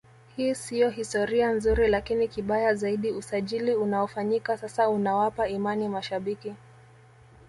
Hii sio historia nzuri lakini kibaya zaidi usajili unaofanyika sasa unawapa imani mashabiki